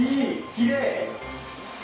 きれい！